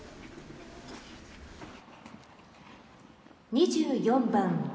２４番。